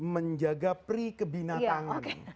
menjaga pri ke binatang